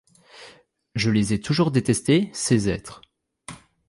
Je les ai toujours détestés, ces êtres!